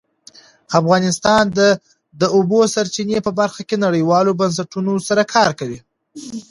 افغانستان د د اوبو سرچینې په برخه کې نړیوالو بنسټونو سره کار کوي.